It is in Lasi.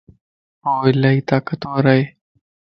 هوالائي طاقتور ا